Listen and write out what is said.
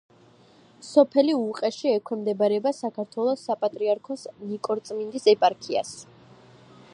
სოფელი უყეში ექვემდებარება საქართველოს საპატრიარქოს ნიკორწმინდის ეპარქიას.